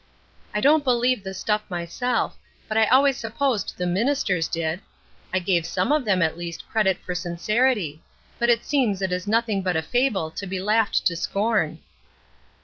"I don't believe the stuff myself, but I always supposed the ministers did. I gave some of them at least credit for sincerity, but it seems it is nothing but a fable to be laughed to scorn."